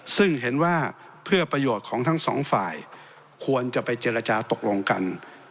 ซึ่งเห็นว่าเพื่อประโยชน์ของทั้งสองฝ่ายควรจะไปเจรจาตกลงกัน